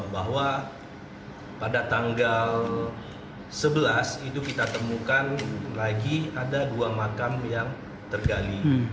bahwa pada tanggal sebelas itu kita temukan lagi ada dua makam yang tergali